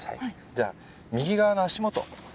じゃあ右側の足元。